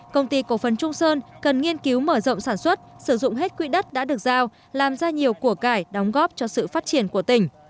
công ty cổ phấn trung sơn cần nghiên cứu mở rộng sản xuất sử dụng hết quỹ đất đã được giao làm ra nhiều của cải đóng góp cho sự phát triển của tỉnh